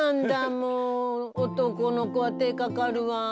もう男の子は手ぇかかるわ。